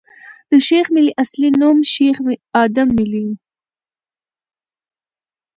د شېخ ملي اصلي نوم شېخ ادم ملي ؤ.